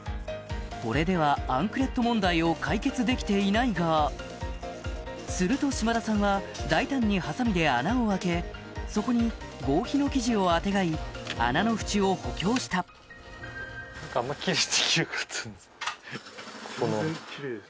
これではアンクレット問題を解決できていないがすると島田さんは大胆にハサミで穴を開けそこに合皮の生地をあてがい穴の縁を補強した全然キレイです。